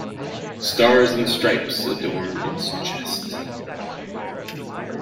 Stars and stripes adorn its chest.